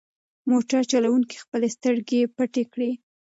موټر چلونکي خپلې سترګې پټې کړې.